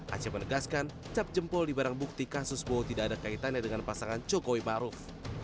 aceh menegaskan cap jempol di barang bukti kasus bowo tidak ada kaitannya dengan pasangan jokowi maruf